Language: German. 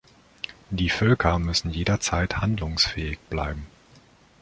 Die Völker müssen jederzeit handlungsfähig bleiben.